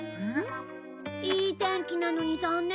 いい天気なのに残念だわ。